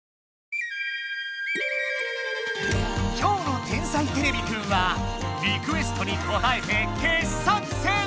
今日の「天才てれびくん」はリクエストにこたえて傑作選！